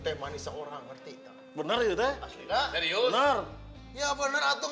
takutnya desa orang harusnya bener ya bener insanely von "